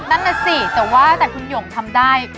นั่นน่ะสิแต่ว่าแต่คุณหย่งทำได้